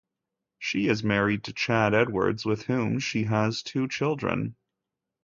She is married to Chad Edwards with whom she has two children.